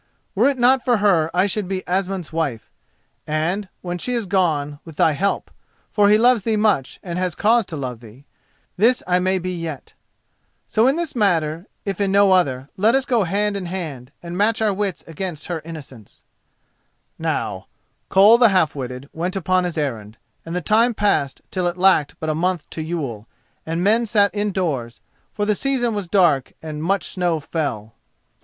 Were it not for her I should be Asmund's wife, and, when she is gone, with thy help—for he loves thee much and has cause to love thee—this I may be yet. So in this matter, if in no other, let us go hand in hand and match our wits against her innocence." "So be it," said Swanhild; "fail me not and fear not that I shall fail thee." Now, Koll the Half witted went upon his errand, and the time passed till it lacked but a month to Yule, and men sat indoors, for the season was dark and much snow fell.